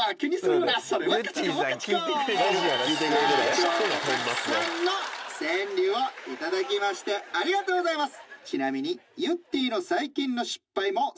今日もたくさんの川柳を頂きましてありがとうございます！